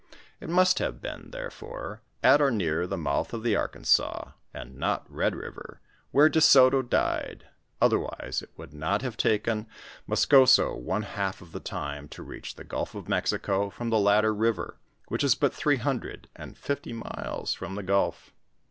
It must have been, there fore, at or near the mouth of the Arkansas, and not Red river, where De Soto died, otherwise it would not have taken Moscoso one half of the time to reach the gulf of Mexico from the latter river, which is but three hundred and fifty miles from the gulf.